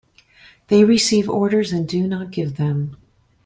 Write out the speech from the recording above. They receive orders and do not give them.